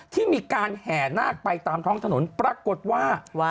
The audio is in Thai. ที่มีการแห่นาคไปตามท้องถนนปรากฏว่า